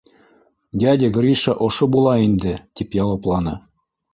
— Дядя Гриша ошо була инде, — тип яуапланы.